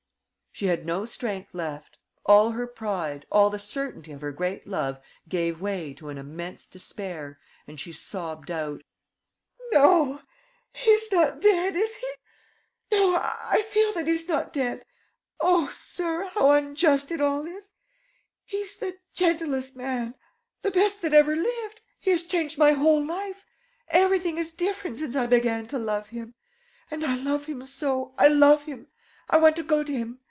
She had no strength left. All her pride, all the certainty of her great love gave way to an immense despair and she sobbed out. "No, he's not dead, is he? No, I feel that he's not dead. Oh, sir, how unjust it all is! He's the gentlest man, the best that ever lived. He has changed my whole life. Everything is different since I began to love him. And I love him so! I love him! I want to go to him.